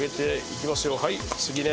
はい次ね。